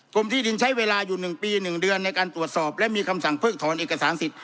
ที่ดินใช้เวลาอยู่๑ปี๑เดือนในการตรวจสอบและมีคำสั่งเพิกถอนเอกสารสิทธิ